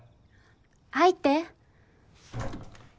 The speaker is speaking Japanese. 入って。